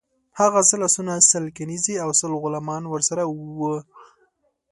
هغه سل آسونه، سل کنیزي او سل غلامان ورسره وه.